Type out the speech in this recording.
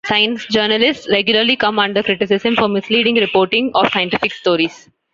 Science journalists regularly come under criticism for misleading reporting of scientific stories.